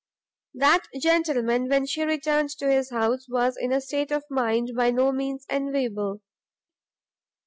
That gentleman, when she returned to his house, was in a state of mind by no means enviable.